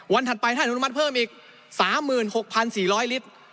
วันถัดไปถ้าหนุนมันเพิ่มอีก๓๖๔๐๐ลิตร